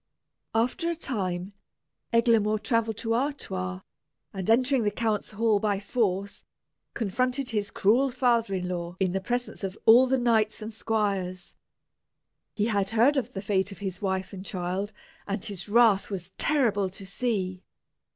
After a time, Eglamour travelled to Artois, and entering the count's hall by force, confronted his cruel father in law in the presence of all the knights and squires. He had heard of the fate of his wife and child, and his wrath was terrible to see.